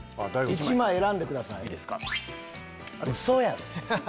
１枚選んでください。